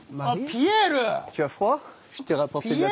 ピエール？